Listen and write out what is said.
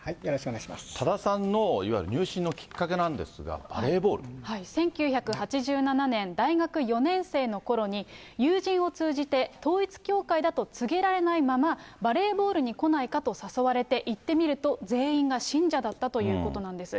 多田さんの、いわゆる入信のきっかけなんですが、バレーボー１９８７年、大学４年生のころに、友人を通じて、統一教会だと告げられないまま、バレーボールに来ないかと誘われて行ってみると、全員が信者だったということなんです。